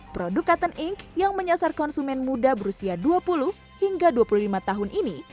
produk cotton inc yang menyasar konsumen muda berusia dua puluh hingga dua puluh lima tahun ini